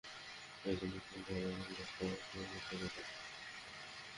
এজন্যই কি ঘরের লোককে অগ্রাহ্য করেছেন?